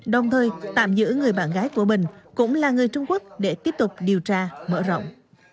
đồng thời tạm giữ người bạn gái của bình cũng là người trung quốc để tiếp tục điều tra mở rộng